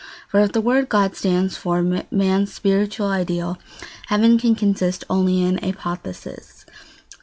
For, if the word God stands for man's spiritual ideal, heaven can consist only in apotheosis.